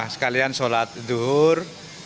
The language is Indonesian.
sekalian sholat duhur